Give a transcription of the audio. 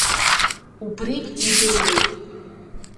Убрыгь идыруеит.